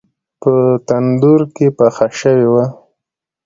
په تندور کې پخه شوې وه.